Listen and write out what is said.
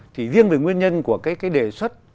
thì riêng về nguyên nhân của cái đề xuất